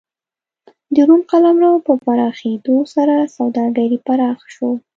د روم قلمرو په پراخېدو سره سوداګري پراخ شول.